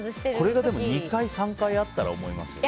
これがでも２回３回あったら思いますよね。